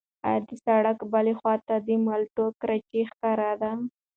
ایا د سړک بلې خوا ته د مالټو کراچۍ ښکارېده؟